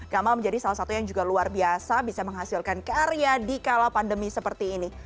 gamal menjadi salah satu yang juga luar biasa bisa menghasilkan karya di kala pandemi seperti ini